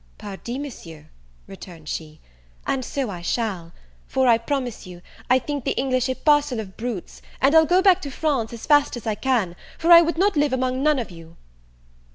"Pardi, Monsieur," returned she, "and so I shall; for, I promise you, I think the English a parcel of brutes; and I'll go back to France as fast as I can, for I would not live among none of you."